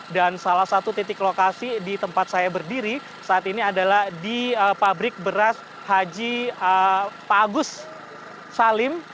dan salah satu titik lokasi di tempat saya berdiri saat ini adalah di pabrik beras haji pagus salim